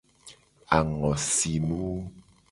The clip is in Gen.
Angosinu.